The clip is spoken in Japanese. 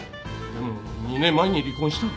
でも２年前に離婚した。